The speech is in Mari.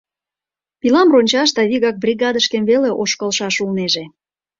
Пилам рончаш да вигак бригадышкем веле ошкылшаш улнеже.